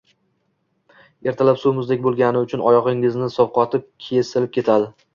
Ertalab suv muzdek bo‘lgani uchun oyog‘ingiz sovqotib «kesilib» ketadi.